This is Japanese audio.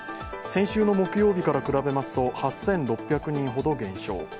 先週の木曜日から比べますと８６００人ほど減少。